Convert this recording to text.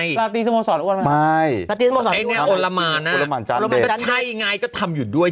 นาติสมสรรค์อ้วนมากไอ้แน่โอลามานอ่ะโอลามานจานเดชใช่ไงก็ทำอยู่ด้วย